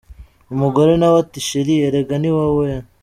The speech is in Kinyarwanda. Umugore nawe ati ’Cheri erega niwowe’.